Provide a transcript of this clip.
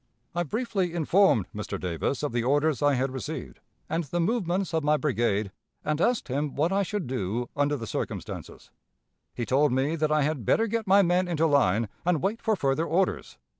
"I briefly informed Mr. Davis of the orders I had received, and the movements of my brigade, and asked him what I should do under the circumstances. He told me that I had better get my men into line, and wait for further orders.